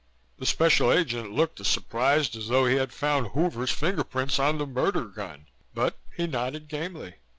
The Special Agent looked as surprised as though he had found Hoover's fingerprints on the murder gun, but he nodded gamely.